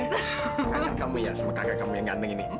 anak kamu ya sama kakak kamu yang ganteng ini